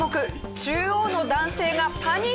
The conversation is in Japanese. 中央の男性がパニックに！